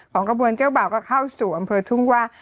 กระบวนเจ้าบ่าวก็เข้าสู่อำเภอทุ่งว่า